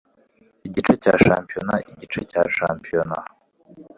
Igice cya shampiyona igice cya shampiyona